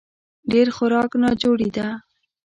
ډېر خوراک ناجوړي ده